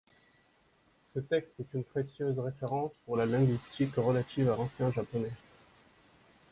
Ce texte est une précieuse référence pour la linguistique relative à l'ancien japonais.